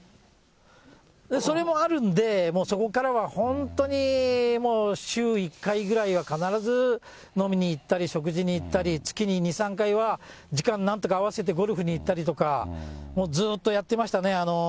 それもあるんで、もうそこからは、本当にもう週１回ぐらいは必ず飲みに行ったり、食事に行ったり、月に２、３回は時間なんとか合わせてゴルフに行ったりとか、もうずっとやってましたね。